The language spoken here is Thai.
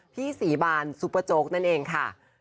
พี่สีบานซุปปะโจ๊กนั่นเองค่ะ